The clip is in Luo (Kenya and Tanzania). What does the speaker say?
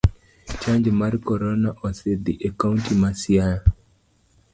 Chanjo mar korona osidh e kaunti ma siaya.